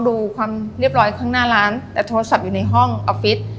ดูความเรียบร้อยข้างหน้าร้านแต่โทรศัพท์อยู่ในห้องออฟฟิศ